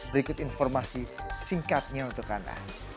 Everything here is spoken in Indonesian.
berikut informasi singkatnya untuk anda